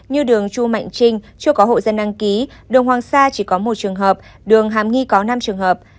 như đường chu mạnh trinh chưa có hộ dân đăng ký đường hoàng sa chỉ có một trường hợp đường hàm nghi có năm trường hợp